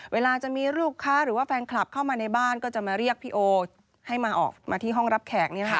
เวลาจะมีลูกค้าหรือว่าแฟนคลับเข้ามาในบ้านก็จะมาเรียกพี่โอให้มาออกมาที่ห้องรับแขก